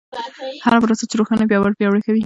هره پروسه چې روښانه وي، باور پیاوړی کوي.